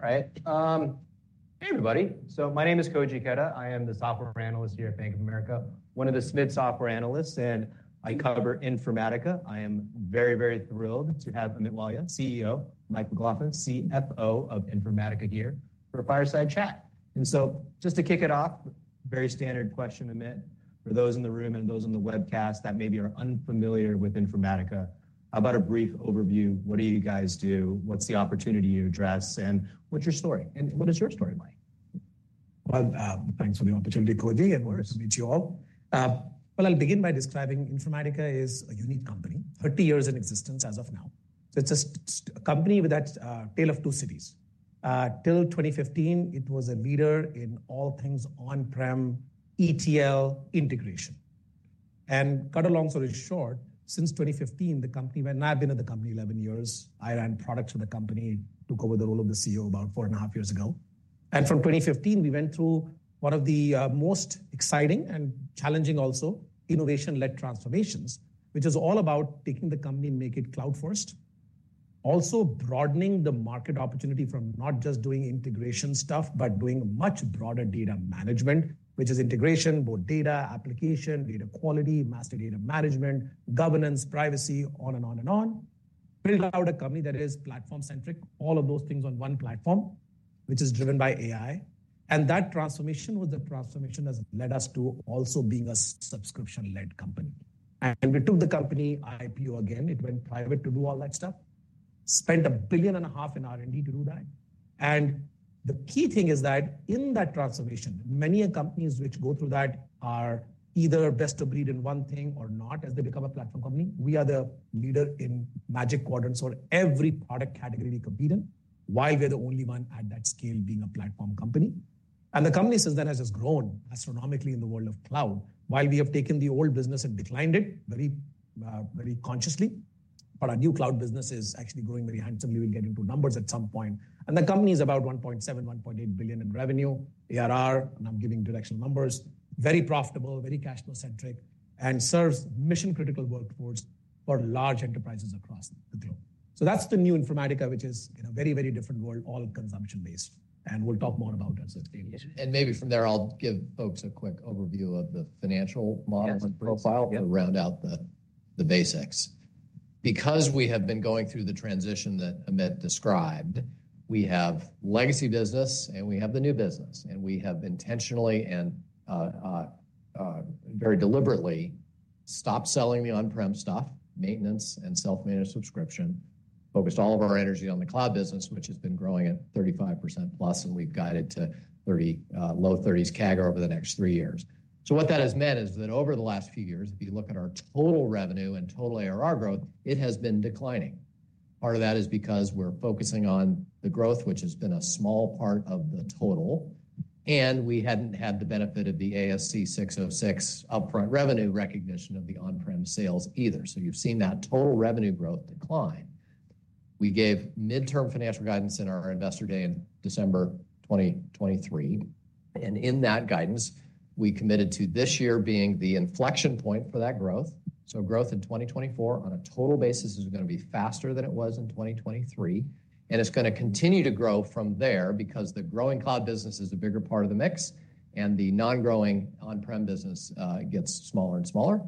All right, hey, everybody. So my name is Koji Ikeda. I am the software analyst here at Bank of America, one of the SMID software analysts, and I cover Informatica. I am very, very thrilled to have Amit Walia, CEO, Mike McLaughlin, CFO of Informatica, here for a fireside chat. And so just to kick it off, very standard question, Amit. For those in the room and those on the webcast that maybe are unfamiliar with Informatica, how about a brief overview? What do you guys do? What's the opportunity you address, and what's your story? And what is your story, Mike? Well, thanks for the opportunity, Koji, and nice to meet you all. Well, I'll begin by describing Informatica is a unique company, 30 years in existence as of now. So it's a company with that, tale of two cities. Till 2015, it was a leader in all things on-prem ETL integration. And cut a long story short, since 2015, the company... Well, I've been at the company 11 years. I ran products for the company, took over the role of the CEO about 4.5 years ago. And from 2015, we went through one of the, most exciting and challenging also, innovation-led transformations, which is all about taking the company, make it cloud-first. Also broadening the market opportunity from not just doing integration stuff, but doing much broader data management, which is integration, both data, application, data quality, master data management, governance, privacy, on and on and on. Built out a company that is platform-centric, all of those things on one platform, which is driven by AI. And that transformation was a transformation that's led us to also being a subscription-led company. And we took the company IPO again. It went private to do all that stuff, spent $1.5 billion in R&D to do that. And the key thing is that in that transformation, many companies which go through that are either best of breed in one thing or not, as they become a platform company. We are the leader in Magic Quadrants or every product category we compete in. Why? We're the only one at that scale being a platform company. And the company since then has just grown astronomically in the world of cloud. While we have taken the old business and declined it very, very consciously, but our new cloud business is actually growing very handsomely. We'll get into numbers at some point. And the company is about $1.7 billion-$1.8 billion in revenue, ARR, and I'm giving directional numbers, very profitable, very cash flow centric, and serves mission-critical workforces for large enterprises across the globe. So that's the new Informatica, which is in a very, very different world, all consumption-based, and we'll talk more about that as we go. Maybe from there, I'll give folks a quick overview of the financial model. Yes... and profile to round out the basics. Because we have been going through the transition that Amit described, we have legacy business, and we have the new business, and we have intentionally and very deliberately stopped selling the on-prem stuff, maintenance and self-managed subscription. Focused all of our energy on the cloud business, which has been growing at 35%+, and we've guided to low 30s CAGR over the next three years. So what that has meant is that over the last few years, if you look at our total revenue and total ARR growth, it has been declining. Part of that is because we're focusing on the growth, which has been a small part of the total, and we hadn't had the benefit of the ASC 606 upfront revenue recognition of the on-prem sales either. So you've seen that total revenue growth decline. We gave midterm financial guidance in our Investor Day in December 2023, and in that guidance, we committed to this year being the inflection point for that growth. So growth in 2024, on a total basis, is gonna be faster than it was in 2023, and it's gonna continue to grow from there because the growing cloud business is a bigger part of the mix, and the non-growing on-prem business gets smaller and smaller.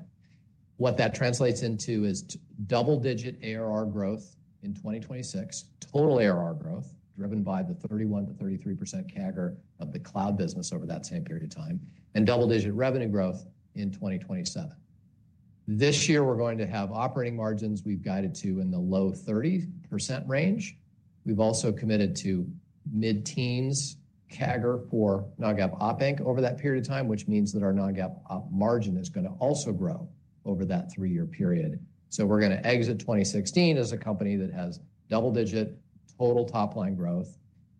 What that translates into is double-digit ARR growth in 2026, total ARR growth, driven by the 31%-33% CAGR of the cloud business over that same period of time, and double-digit revenue growth in 2027. This year, we're going to have operating margins we've guided to in the low 30% range. We've also committed to mid-teens CAGR for non-GAAP Op Inc. over that period of time, which means that our non-GAAP op margin is gonna also grow over that three-year period. So we're gonna exit 2016 as a company that has double-digit total top-line growth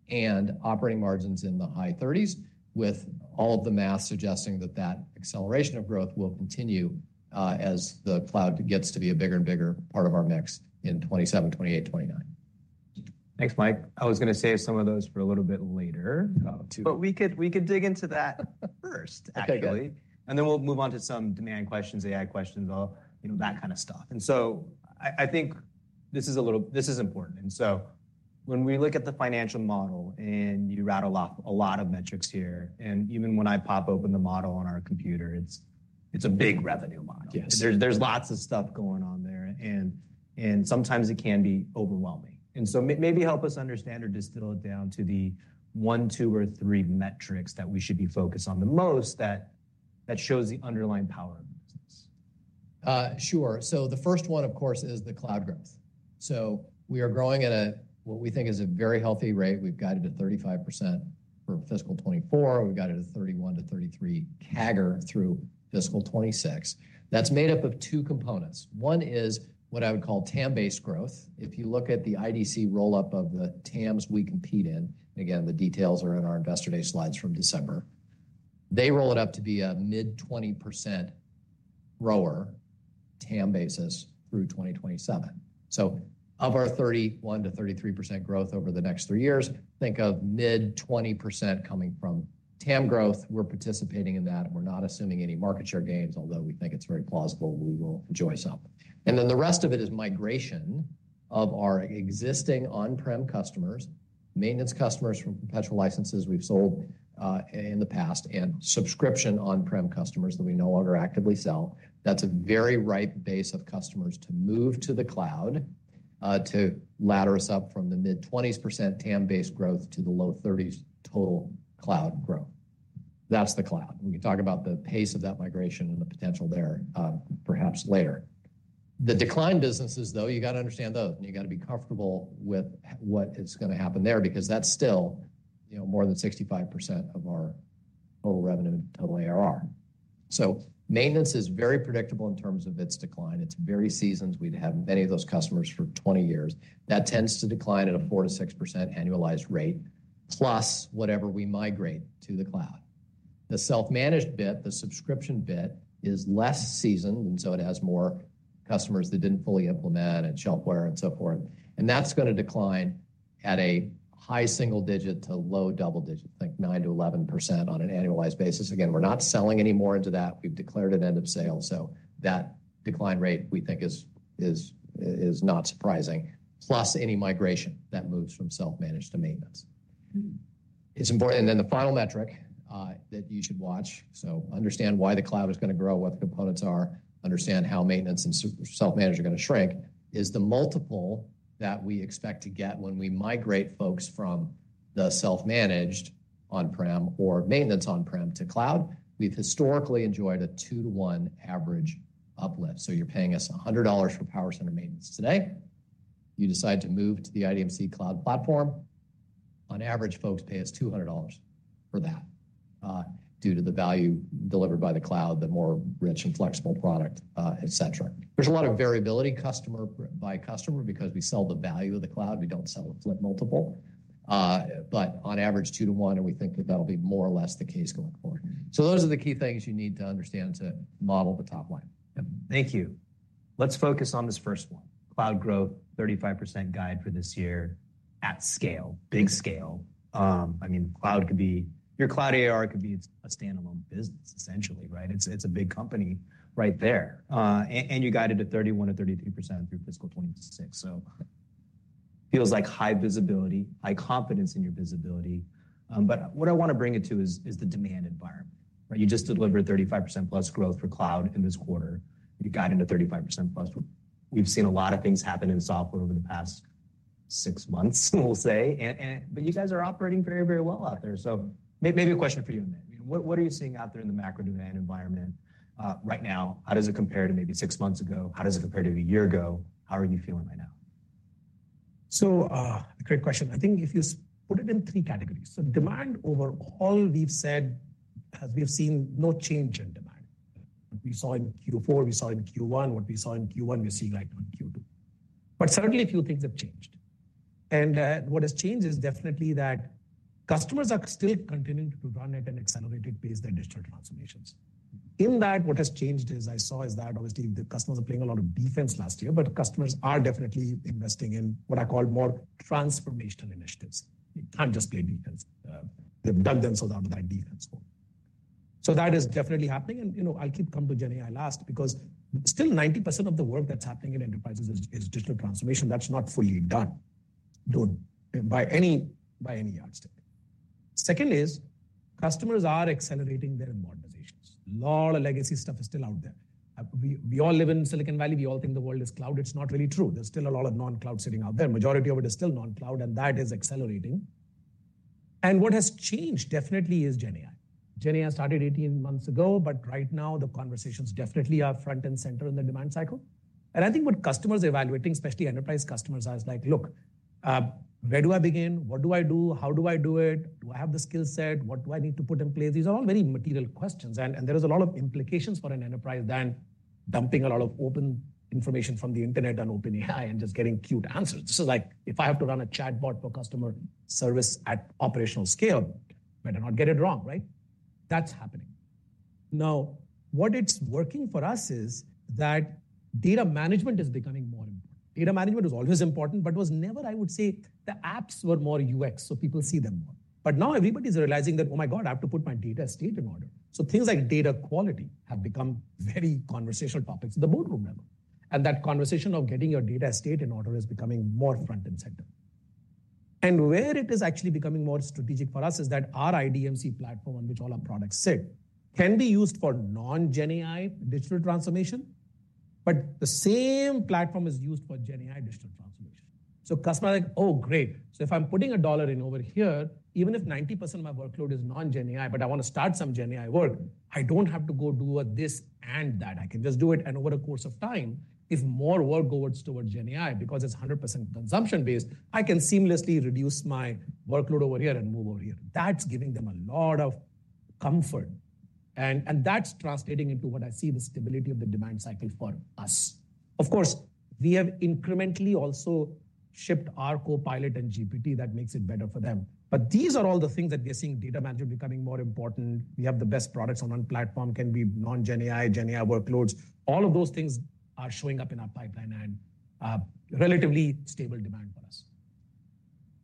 and operating margins in the high thirties, with all of the math suggesting that that acceleration of growth will continue, as the cloud gets to be a bigger and bigger part of our mix in 2027, 2028, 2029. Thanks, Mike. I was gonna save some of those for a little bit later. But we could, we could dig into that first, actually. Okay, good. Then we'll move on to some demand questions, AI questions, you know, that kind of stuff. So I, I think this is a little... This is important. So when we look at the financial model and you rattle off a lot of metrics here, and even when I pop open the model on our computer, it's, it's a big revenue model. Yes. There's lots of stuff going on there, and sometimes it can be overwhelming. So maybe help us understand or distill it down to the one, two, or three metrics that we should be focused on the most, that shows the underlying power of the business. Sure. So the first one, of course, is the cloud growth. So we are growing at a, what we think is a very healthy rate. We've guided at 35% for fiscal 2024. We've guided at 31-33 CAGR through fiscal 2026. That's made up of two components. One is what I would call TAM-based growth. If you look at the IDC roll-up of the TAMs we compete in, and again, the details are in our Investor Day slides from December, they roll it up to be a mid-20% grower, TAM basis, through 2027. So of our 31%-33% growth over the next three years, think of mid-20% coming from TAM growth. We're participating in that, and we're not assuming any market share gains, although we think it's very plausible we will enjoy some. And then the rest of it is migration.... Of our existing on-prem customers, maintenance customers from perpetual licenses we've sold in the past, and subscription on-prem customers that we no longer actively sell. That's a very ripe base of customers to move to the cloud, to ladder us up from the mid-20s% TAM-based growth to the low 30s total cloud growth. That's the cloud. We can talk about the pace of that migration and the potential there, perhaps later. The decline businesses, though, you got to understand those, and you got to be comfortable with what is gonna happen there, because that's still, you know, more than 65% of our total revenue and total ARR. So maintenance is very predictable in terms of its decline. It's very seasoned. We've had many of those customers for 20 years. That tends to decline at a 4%-6% annualized rate, plus whatever we migrate to the cloud. The self-managed bit, the subscription bit, is less seasoned, and so it has more customers that didn't fully implement and shelfware and so forth, and that's gonna decline at a high single digit to low double digit, like 9%-11% on an annualized basis. Again, we're not selling any more into that. We've declared an end of sale, so that decline rate, we think, is not surprising. Plus, any migration that moves from self-managed to maintenance. And then the final metric that you should watch, so understand why the cloud is gonna grow, what the components are, understand how maintenance and self-managed are gonna shrink, is the multiple that we expect to get when we migrate folks from the self-managed on-prem or maintenance on-prem to cloud. We've historically enjoyed a 2-to-1 average uplift. So you're paying us $100 for PowerCenter maintenance today. You decide to move to the IDMC cloud platform. On average, folks pay us $200 for that, due to the value delivered by the cloud, the more rich and flexible product, et cetera. There's a lot of variability, customer by customer, because we sell the value of the cloud, we don't sell a flip multiple, but on average, 2 to 1, and we think that that'll be more or less the case going forward. So those are the key things you need to understand to model the top line. Thank you. Let's focus on this first one, cloud growth, 35% guide for this year at scale, big scale. I mean, cloud could be your cloud ARR could be a standalone business, essentially, right? It's a big company right there. And you guided to 31%-33% through fiscal 2026. So feels like high visibility, high confidence in your visibility. But what I want to bring it to is the demand environment, right? You just delivered 35%+ growth for cloud in this quarter. You guided to 35%+. We've seen a lot of things happen in software over the past six months, we'll say, and but you guys are operating very, very well out there. So maybe a question for you, Amit. What are you seeing out there in the macro demand environment right now? How does it compare to maybe six months ago? How does it compare to a year ago? How are you feeling right now? So, great question. I think if you put it in three categories. So demand, overall, we've said as we have seen no change in demand. We saw in Q4, we saw in Q1, what we saw in Q1, we see like in Q2. But certainly a few things have changed. And, what has changed is definitely that customers are still continuing to run at an accelerated pace, their digital transformations. In that, what has changed, as I saw, is that obviously the customers are playing a lot of defense last year, but customers are definitely investing in what I call more transformational initiatives. They can't just play defense. They've done themselves out of the idea and so on. So that is definitely happening. And, you know, I'll keep coming to GenAI last, because still 90% of the work that's happening in enterprises is, is digital transformation. That's not fully done, done by any, by any yardstick. Second is, customers are accelerating their modernizations. A lot of legacy stuff is still out there. We all live in Silicon Valley. We all think the world is cloud. It's not really true. There's still a lot of non-cloud sitting out there. Majority of it is still non-cloud, and that is accelerating. And what has changed definitely is GenAI. GenAI started 18 months ago, but right now the conversations definitely are front and center in the demand cycle. And I think what customers are evaluating, especially enterprise customers, are like: "Look, where do I begin? What do I do? How do I do it? Do I have the skill set? What do I need to put in place?" These are all very material questions, and, and there is a lot of implications for an enterprise than dumping a lot of open information from the internet on OpenAI and just getting queued answers. This is like, if I have to run a chatbot for customer service at operational scale, better not get it wrong, right? That's happening. Now, what it's working for us is that data management is becoming more important. Data management was always important, but was never, I would say... The apps were more UX, so people see them more. But now everybody's realizing that, oh, my God, I have to put my data estate in order. So things like data quality have become very conversational topics at the boardroom level, and that conversation of getting your data estate in order is becoming more front and center. Where it is actually becoming more strategic for us is that our IDMC platform, on which all our products sit, can be used for non-GenAI digital transformation, but the same platform is used for GenAI digital transformation. So customers like, "Oh, great. So if I'm putting $1 in over here, even if 90% of my workload is non-GenAI, but I want to start some GenAI work, I don't have to go do a this and that. I can just do it, and over a course of time, if more work goes towards GenAI, because it's 100% consumption-based, I can seamlessly reduce my workload over here and move over here." That's giving them a lot of comfort, and that's translating into what I see the stability of the demand cycle for us. Of course, we have incrementally also shipped our Copilot and GPT that makes it better for them. But these are all the things that we are seeing, data management becoming more important. We have the best products on one platform, can be non-GenAI, GenAI workloads. All of those things are showing up in our pipeline and relatively stable demand for us....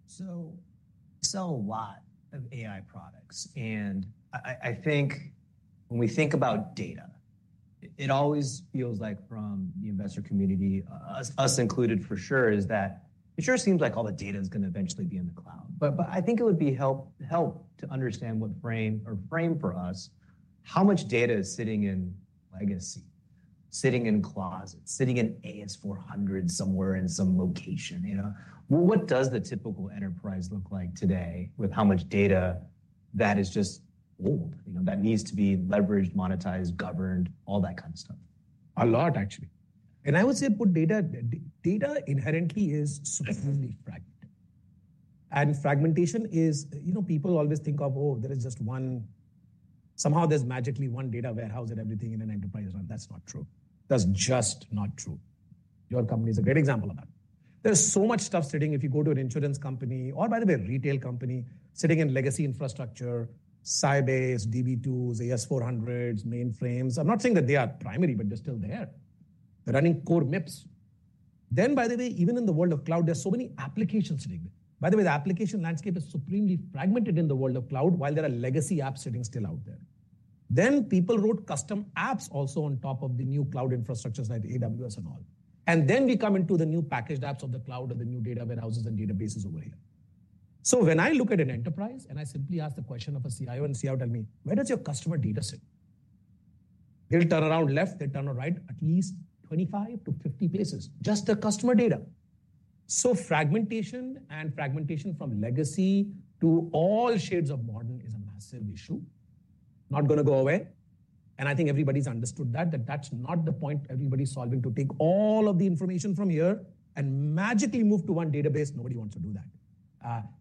So we sell a lot of AI products, and I think when we think about data, it always feels like from the investor community, us included for sure, is that it sure seems like all the data is going to eventually be in the cloud. But I think it would be helpful to understand what frame for us, how much data is sitting in legacy, sitting in closets, sitting in AS/400s somewhere in some location, you know? What does the typical enterprise look like today with how much data that is just old, you know, that needs to be leveraged, monetized, governed, all that kind of stuff? A lot, actually. And I would say data inherently is supremely fragmented. And fragmentation is, you know, people always think of, oh, there is just one. Somehow there's magically one data warehouse and everything in an enterprise, and that's not true. That's just not true. Your company is a great example of that. There's so much stuff sitting. If you go to an insurance company or, by the way, a retail company, sitting in legacy infrastructure, Sybase, DB2s, AS/400s, mainframes. I'm not saying that they are primary, but they're still there. They're running core MIPS. Then, by the way, even in the world of cloud, there's so many applications sitting there. By the way, the application landscape is supremely fragmented in the world of cloud, while there are legacy apps sitting still out there. Then people wrote custom apps also on top of the new cloud infrastructures like AWS and all. And then we come into the new packaged apps of the cloud or the new data warehouses and databases over here. So when I look at an enterprise and I simply ask the question of a CIO, and CIO tell me: Where does your customer data sit? They'll turn around left, they turn around right, at least 25-50 places, just the customer data. So fragmentation and fragmentation from legacy to all shades of modern is a massive issue. Not gonna go away, and I think everybody's understood that, that that's not the point everybody's solving to take all of the information from here and magically move to one database. Nobody wants to do that.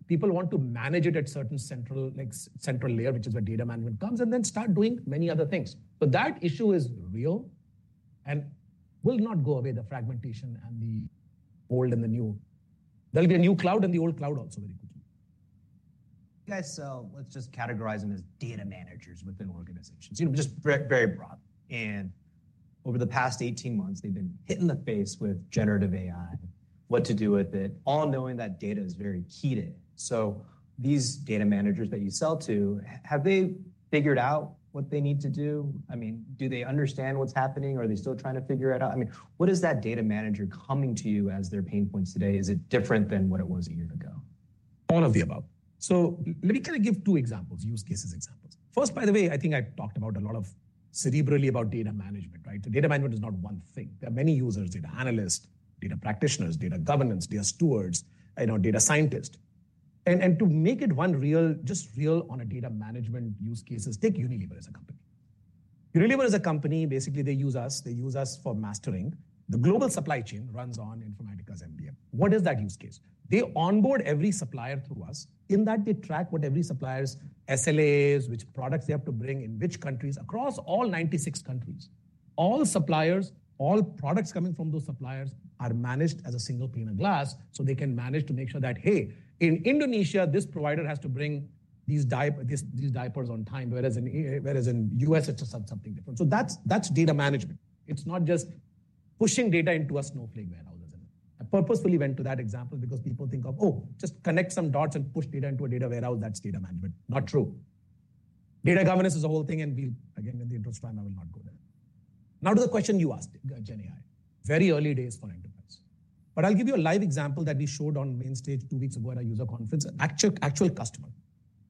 People want to manage it at certain central, like, central layer, which is where data management comes, and then start doing many other things. But that issue is real and will not go away, the fragmentation and the old and the new. There'll be a new cloud and the old cloud also very quickly. You guys sell, let's just categorize them as data managers within organizations, you know, just very, very broadly. Over the past 18 months, they've been hit in the face with generative AI, what to do with it, all knowing that data is very key to it. These data managers that you sell to, have they figured out what they need to do? I mean, do they understand what's happening or are they still trying to figure it out? I mean, what is that data manager coming to you as their pain points today? Is it different than what it was a year ago? All of the above. So let me kind of give 2 examples, use cases examples. First, by the way, I think I've talked about a lot of cerebrally about data management, right? So data management is not one thing. There are many users, data analysts, data practitioners, data governance, data stewards, you know, data scientists. And, and to make it one real, just real on a data management use cases, take Unilever as a company. Unilever as a company, basically, they use us, they use us for mastering. The global supply chain runs on Informatica's MDM. What is that use case? They onboard every supplier through us. In that, they track what every supplier's SLAs, which products they have to bring in which countries, across all 96 countries. All suppliers, all products coming from those suppliers are managed as a single pane of glass, so they can manage to make sure that, hey, in Indonesia, this provider has to bring these diapers on time, whereas in the U.S., it's just something different. So that's data management. It's not just pushing data into a Snowflake warehouse. I purposefully went to that example because people think of, oh, just connect some dots and push data into a data warehouse; that's data management. Not true. Data governance is a whole thing, and we'll, again, in the interest of time, I will not go there. Now to the question you asked, GenAI. Very early days for enterprise. But I'll give you a live example that we showed on main stage two weeks ago at our user conference, actual customer.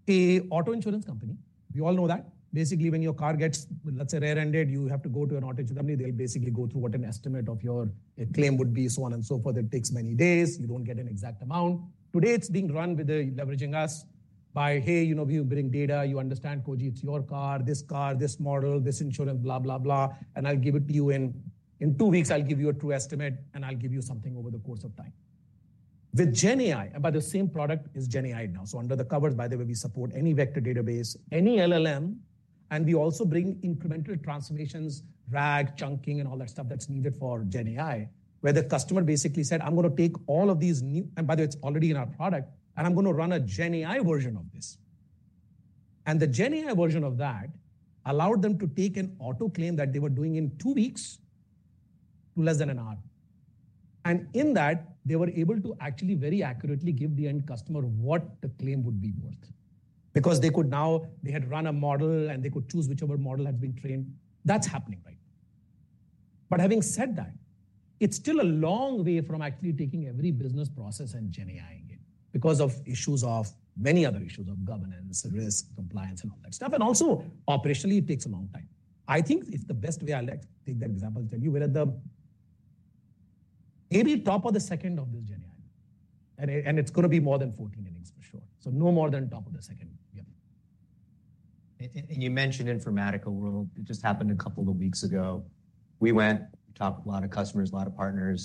An auto insurance company. We all know that. Basically, when your car gets, let's say, rear-ended, you have to go to an auto insurance company. They'll basically go through what an estimate of your claim would be, so on and so forth. It takes many days. You don't get an exact amount. Today, it's being run with the... leveraging us by, "Hey, you know, you bring data, you understand, Koji, it's your car, this car, this model, this insurance, blah, blah, blah, and I'll give it to you in, in two weeks, I'll give you a true estimate, and I'll give you something over the course of time." With GenAI, but the same product is GenAI now. So under the covers, by the way, we support any vector database, any LLM, and we also bring incremental transformations, RAG, chunking, and all that stuff that's needed for GenAI, where the customer basically said, "I'm going to take all of these new..." And by the way, it's already in our product, "And I'm going to run a GenAI version of this." And the GenAI version of that allowed them to take an auto claim that they were doing in two weeks, to less than an hour. And in that, they were able to actually very accurately give the end customer what the claim would be worth. Because they could now, they had run a model, and they could choose whichever model had been trained. That's happening right now. But having said that, it's still a long way from actually taking every business process and GenAI-ing it, because of issues of, many other issues of governance, risk, compliance, and all that stuff. And also, operationally, it takes a long time. I think it's the best way. I'll take that example to tell you we're at the maybe top of the second of this GenAI, and it, and it's going to be more than 14 innings for sure. So no more than top of the second, yeah. And you mentioned Informatica World. It just happened a couple of weeks ago. We went, we talked to a lot of customers, a lot of partners,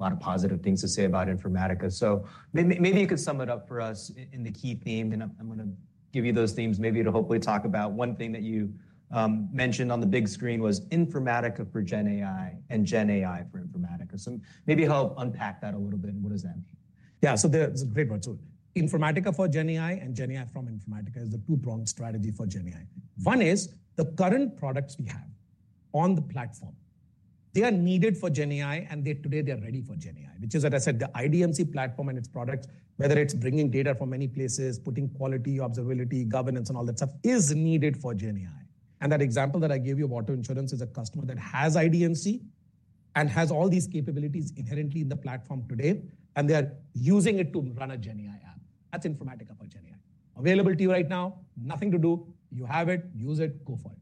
a lot of positive things to say about Informatica. So maybe you could sum it up for us in the key themes, and I'm gonna give you those themes, maybe to hopefully talk about one thing that you mentioned on the big screen was Informatica for GenAI and GenAI for Informatica. So maybe help unpack that a little bit, and what does that mean? Yeah. So there's a great one. So Informatica for GenAI and GenAI from Informatica is a two-pronged strategy for GenAI. One is the current products we have on the platform. They are needed for GenAI, and they, today, they are ready for GenAI, which is, as I said, the IDMC platform and its products, whether it's bringing data from many places, putting quality, observability, governance, and all that stuff, is needed for GenAI. And that example that I gave you, auto insurance, is a customer that has IDMC and has all these capabilities inherently in the platform today, and they are using it to run a GenAI app. That's Informatica for GenAI. Available to you right now, nothing to do. You have it, use it, go for it.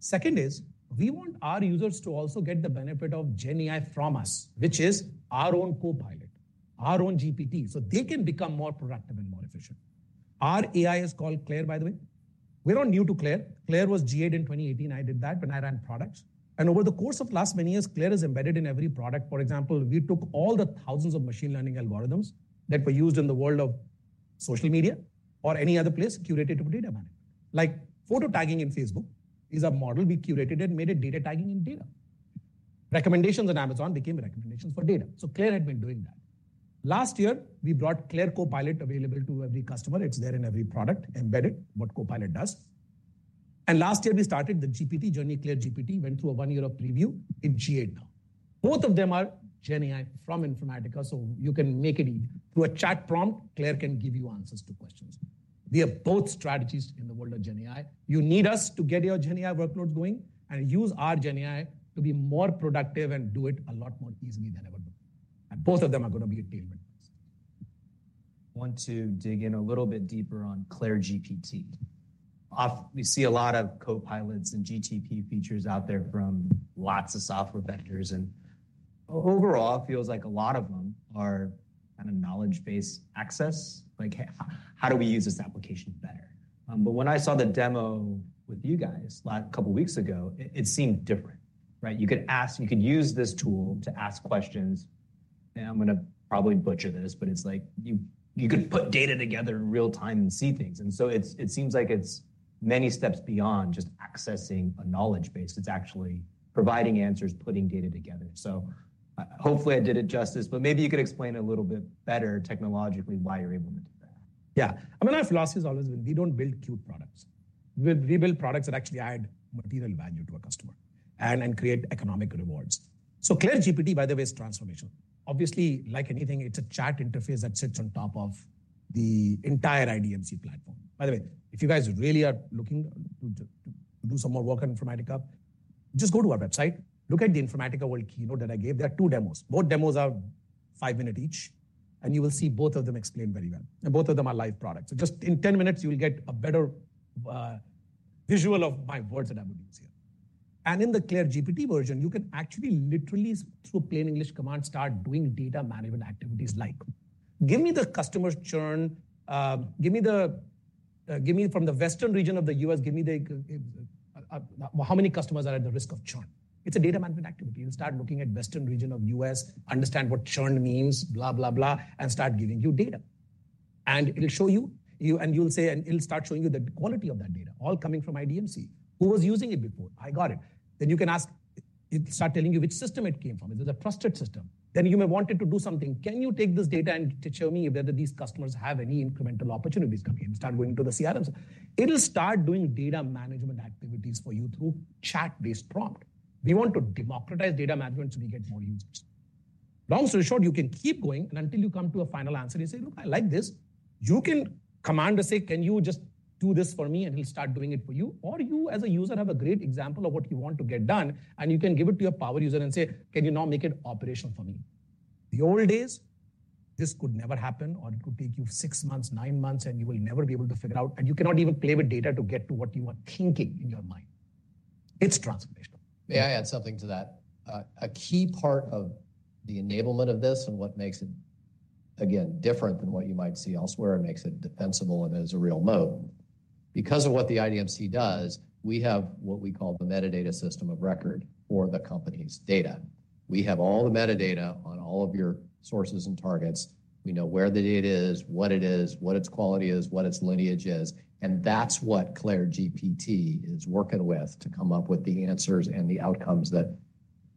Second is, we want our users to also get the benefit of GenAI from us, which is our own Copilot, our own GPT, so they can become more productive and more efficient. Our AI is called CLAIRE, by the way. We're not new to CLAIRE. CLAIRE was GA-ed in 2018. I did that when I ran products. And over the course of last many years, CLAIRE is embedded in every product. For example, we took all the thousands of machine learning algorithms that were used in the world of social media or any other place, curated to data management. Like photo tagging in Facebook is a model we curated and made it data tagging in data. Recommendations on Amazon became recommendations for data. So CLAIRE had been doing that. Last year, we brought CLAIRE Copilot available to every customer. It's there in every product, embedded, what Copilot does. And last year, we started the GPT journey. CLAIRE GPT went through a one year of preview. It GA-ed now. Both of them are GenAI from Informatica, so you can make it through a chat prompt, CLAIRE can give you answers to questions. We have both strategies in the world of GenAI. You need us to get your GenAI workloads going and use our GenAI to be more productive and do it a lot more easily than ever before. And both of them are going to be a game changer. I want to dig in a little bit deeper on CLAIRE GPT. We see a lot of copilots and GPT features out there from lots of software vendors, and overall, it feels like a lot of them are kind of knowledge-based access, like, "How do we use this application better?" But when I saw the demo with you guys last couple weeks ago, it, it seemed different, right? You could ask, you could use this tool to ask questions, and I'm going to probably butcher this, but it's like you, you could put data together in real time and see things. And so it's, it seems like it's many steps beyond just accessing a knowledge base. It's actually providing answers, putting data together. So hopefully I did it justice, but maybe you could explain a little bit better technologically why you're able to do that. Yeah. I mean, our philosophy has always been, we don't build cute products. We build products that actually add material value to a customer and create economic rewards. So CLAIRE GPT, by the way, is transformational. Obviously, like anything, it's a chat interface that sits on top of the entire IDMC platform. By the way, if you guys really are looking to do some more work on Informatica, just go to our website, look at the Informatica World keynote that I gave. There are two demos. Both demos are five minute each, and you will see both of them explained very well, and both of them are live products. So just in 10 minutes, you will get a better visual of my words that I would use here. In the CLAIRE GPT version, you can actually literally, through plain English command, start doing data management activities like, "Give me the customer's churn, give me the, give me from the western region of the U.S., give me the, how many customers are at the risk of churn?" It's a data management activity. You start looking at western region of U.S., understand what churn means, blah, blah, blah, and start giving you data. And it'll show you, and it'll start showing you the quality of that data, all coming from IDMC. Who was using it before? I got it. Then you can ask. It'll start telling you which system it came from. Is it a trusted system? Then you may want it to do something. Can you take this data and to show me whether these customers have any incremental opportunities coming in?" Start going to the CRMs. It'll start doing data management activities for you through chat-based prompt. We want to democratize data management so we get more users. Long story short, you can keep going, and until you come to a final answer, you say, "Look, I like this," you can command to say, "Can you just do this for me?" He'll start doing it for you. Or you, as a user, have a great example of what you want to get done, and you can give it to your power user and say, "Can you now make it operational for me?" The old days, this could never happen, or it could take you six months, nine months, and you will never be able to figure it out, and you cannot even play with data to get to what you are thinking in your mind. It's transformational. May I add something to that? A key part of the enablement of this and what makes it, again, different than what you might see elsewhere and makes it defensible and is a real mode. Because of what the IDMC does, we have what we call the metadata system of record for the company's data. We have all the metadata on all of your sources and targets. We know where the data is, what it is, what its quality is, what its lineage is, and that's what CLAIRE GPT is working with to come up with the answers and the outcomes that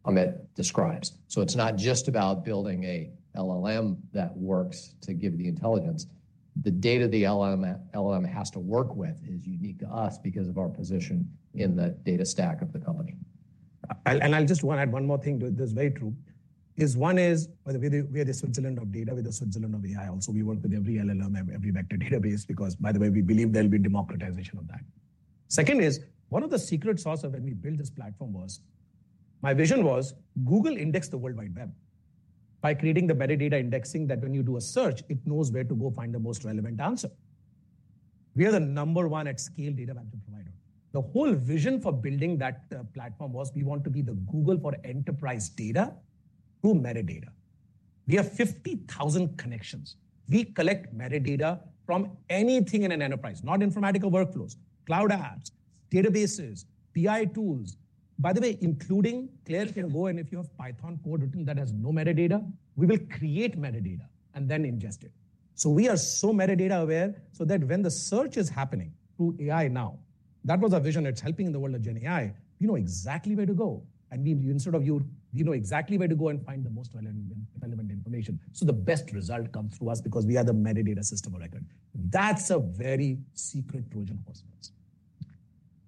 Amit describes. So it's not just about building a LLM that works to give the intelligence. The data the LM, LLM has to work with is unique to us because of our position in the data stack of the company. And I'll just want to add one more thing to it. That's very true. One is, by the way, we are the Switzerland of data. We're the Switzerland of AI also. We work with every LLM, every vector database, because, by the way, we believe there'll be democratization of that. Second is, one of the secret sauce of when we built this platform was, my vision was Google indexed the World Wide Web. By creating the metadata indexing that when you do a search, it knows where to go find the most relevant answer. We are the number one at scale data management provider. The whole vision for building that platform was we want to be the Google for enterprise data through metadata. We have 50,000 connections. We collect metadata from anything in an enterprise, not Informatica workflows, cloud apps, databases, BI tools. By the way, including CLAIRE can go in, if you have Python code written that has no metadata, we will create metadata and then ingest it. So we are so metadata aware, so that when the search is happening through AI now, that was our vision. It's helping in the world of GenAI. We know exactly where to go, and we, instead of you, we know exactly where to go and find the most relevant, relevant information. So the best result comes through us because we are the metadata system of record.... That's a very secret Trojan horse, guys.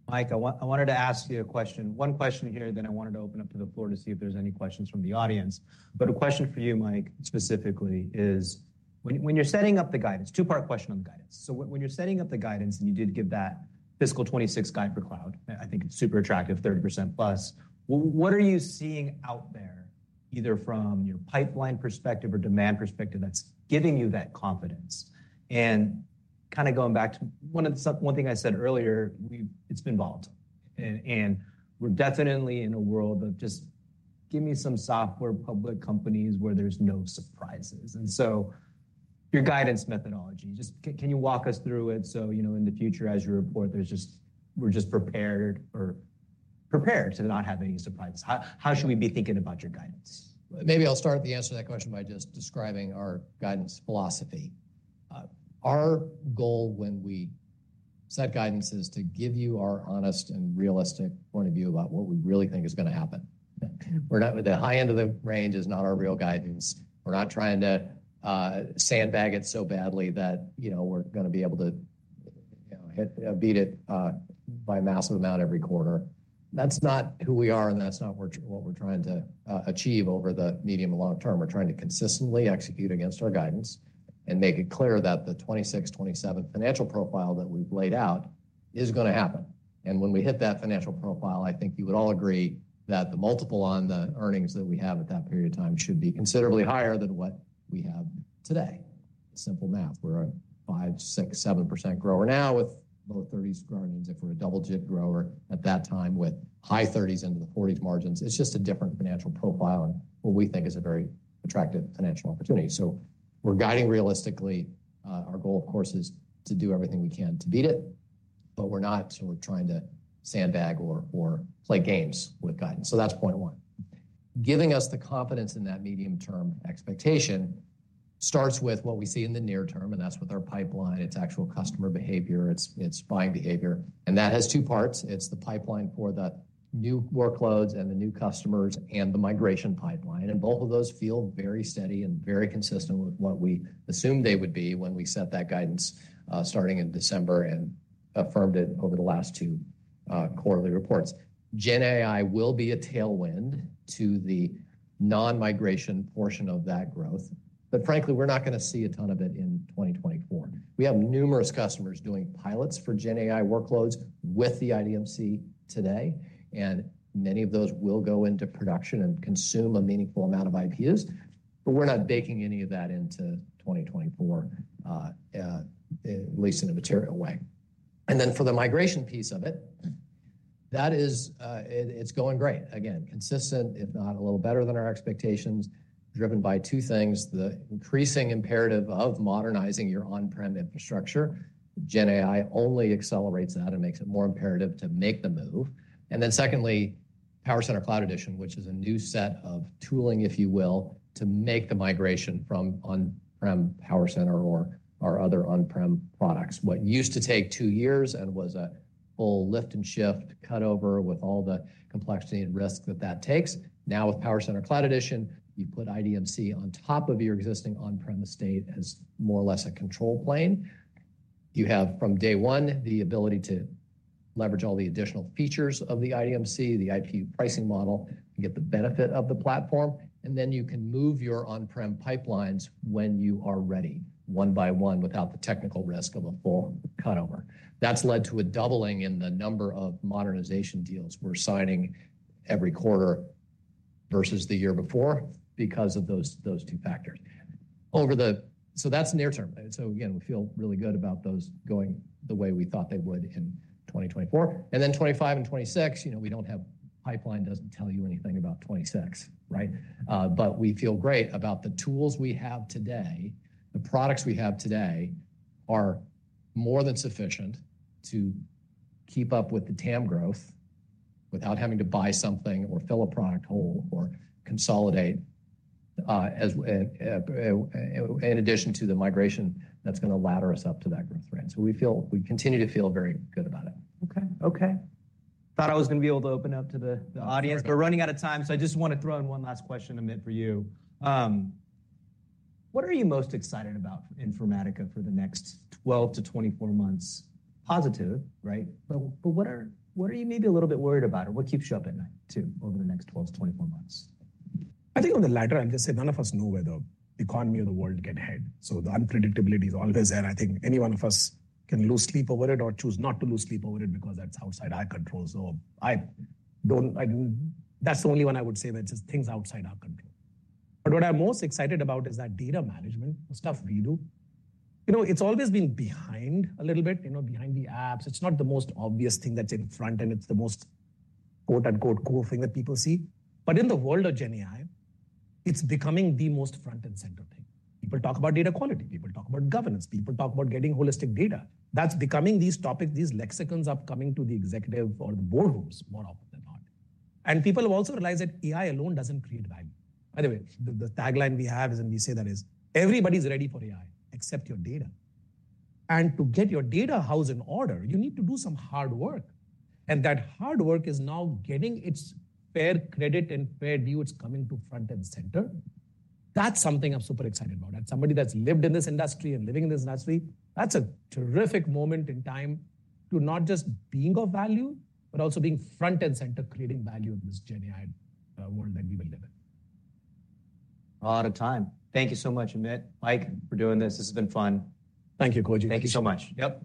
Mike, I want, I wanted to ask you a question. One question here, then I wanted to open up to the floor to see if there's any questions from the audience. But a question for you, Mike, specifically, is when, when you're setting up the guidance, two-part question on the guidance. So when, when you're setting up the guidance, and you did give that fiscal 2026 guide for cloud, I, I think it's super attractive, 30%+. Well, what are you seeing out there, either from your pipeline perspective or demand perspective, that's giving you that confidence? And kinda going back to one of the, one thing I said earlier, we've, it's been volatile. And, and we're definitely in a world of just give me some software public companies where there's no surprises. So your guidance methodology, can you walk us through it so, you know, in the future, as you report, we're just prepared to not have any surprises? How should we be thinking about your guidance? Maybe I'll start the answer to that question by just describing our guidance philosophy. Our goal when we set guidance is to give you our honest and realistic point of view about what we really think is gonna happen. We're not, the high end of the range is not our real guidance. We're not trying to sandbag it so badly that, you know, we're gonna be able to, you know, hit, beat it, by a massive amount every quarter. That's not who we are, and that's not what we're, what we're trying to achieve over the medium and long term. We're trying to consistently execute against our guidance and make it clear that the 2026, 2027 financial profile that we've laid out is gonna happen. And when we hit that financial profile, I think you would all agree that the multiple on the earnings that we have at that period of time should be considerably higher than what we have today. Simple math. We're a 5, 6, 7% grower now with low 30s margins. If we're a double-digit grower at that time with high 30s into the 40s margins, it's just a different financial profile and what we think is a very attractive financial opportunity. So we're guiding realistically. Our goal, of course, is to do everything we can to beat it, but we're not sort of trying to sandbag or, or play games with guidance. So that's point one. Giving us the confidence in that medium-term expectation starts with what we see in the near term, and that's with our pipeline. It's actual customer behavior, it's, it's buying behavior, and that has two parts. It's the pipeline for the new workloads and the new customers and the migration pipeline, and both of those feel very steady and very consistent with what we assumed they would be when we set that guidance, starting in December and affirmed it over the last two quarterly reports. Gen AI will be a tailwind to the non-migration portion of that growth, but frankly, we're not gonna see a ton of it in 2024. We have numerous customers doing pilots for Gen AI workloads with the IDMC today, and many of those will go into production and consume a meaningful amount of IPUs. But we're not baking any of that into 2024, at least in a material way. And then for the migration piece of it, that is, it's going great. Again, consistent, if not a little better than our expectations, driven by two things: the increasing imperative of modernizing your on-prem infrastructure. Gen AI only accelerates that and makes it more imperative to make the move. And then secondly, PowerCenter Cloud Edition, which is a new set of tooling, if you will, to make the migration from on-prem PowerCenter or our other on-prem products. What used to take two years and was a full lift and shift cut over with all the complexity and risk that that takes, now with PowerCenter Cloud Edition, you put IDMC on top of your existing on-premise state as more or less a control plane. You have, from day one, the ability to leverage all the additional features of the IDMC, the IPU pricing model, and get the benefit of the platform. And then you can move your on-prem pipelines when you are ready, one by one, without the technical risk of a full cutover. That's led to a doubling in the number of modernization deals we're signing every quarter versus the year before because of those, those two factors. So that's near term. So again, we feel really good about those going the way we thought they would in 2024. And then 2025 and 2026, you know, we don't have, pipeline doesn't tell you anything about 2026, right? But we feel great about the tools we have today. The products we have today are more than sufficient to keep up with the TAM growth without having to buy something or fill a product hole or consolidate, in addition to the migration that's gonna ladder us up to that growth rate. So we feel, we continue to feel very good about it. Okay, okay. Thought I was gonna be able to open up to the, the audience, but we're running out of time, so I just wanna throw in one last question, Amit, for you. What are you most excited about in Informatica for the next 12-24 months? Positive, right? But what are you maybe a little bit worried about, or what keeps you up at night, too, over the next 12-24 months? I think on the latter, I'm just saying none of us know where the economy of the world can head, so the unpredictability is always there, and I think any one of us can lose sleep over it or choose not to lose sleep over it because that's outside our control. That's the only one I would say, that's just things outside our control. But what I'm most excited about is that data management, the stuff we do, you know, it's always been behind a little bit, you know, behind the apps. It's not the most obvious thing that's in front, and it's the most, quote-unquote, cool thing that people see. But in the world of GenAI, it's becoming the most front and center thing. People talk about data quality, people talk about governance, people talk about getting holistic data. That's becoming these topics, these lexicons are coming to the executive or the boardrooms more often than not. People have also realized that AI alone doesn't create value. By the way, the tagline we have is, and we say that is, "Everybody's ready for AI except your data." To get your data house in order, you need to do some hard work, and that hard work is now getting its fair credit and fair due. It's coming to front and center. That's something I'm super excited about. As somebody that's lived in this industry and living in this industry, that's a terrific moment in time to not just being of value, but also being front and center, creating value in this Gen AI world that we live in. We're out of time. Thank you so much, Amit, Mike, for doing this. This has been fun. Thank you, Koji. Thank you so much. Yep.